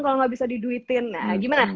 kalau gak bisa diduitin nah gimana